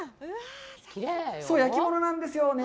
そう、焼き物なんですよね。